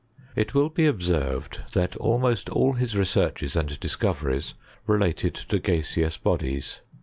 it will be observed that almost all his researcha " id discoveries related to gaseous bodies.